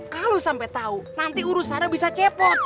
kalau sampai tahu nanti urusan lu bisa cepot